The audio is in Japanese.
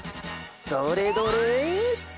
どれどれ？